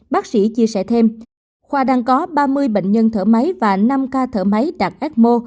bác sĩ chia sẻ thêm khoa đang có ba mươi bệnh nhân thở máy và năm ca thở máy đạt ecmo